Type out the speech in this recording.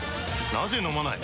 なぜ飲まない？